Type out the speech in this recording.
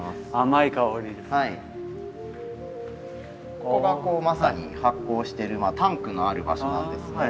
ここがまさに発酵してるタンクのある場所なんですね。